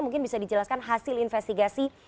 mungkin bisa dijelaskan hasil investigasi